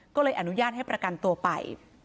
ก็เลยอนุญาตให้ประกันตัวไป